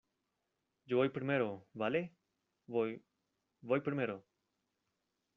yo voy primero, ¿ vale? voy... voy primero .